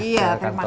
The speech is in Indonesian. iya terima kasih